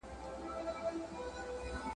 بیا به کله ور ړانده کړي غبرګ لېمه د غلیمانو ,